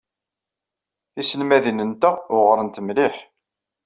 Tiselmadin-nteɣ uɣrent mliḥ.